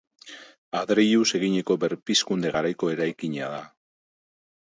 Adreiluz eginiko Berpizkunde garaiko eraikina da.